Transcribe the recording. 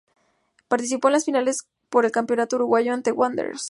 Participó en las finales por el Campeonato Uruguayo ante Wanderers.